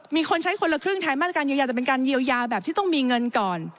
มีคนใช้คนละครึ่งไทยมาตรการเยียวยาแต่เป็นการเยียวยาแบบที่ต้องมีเงินก่อน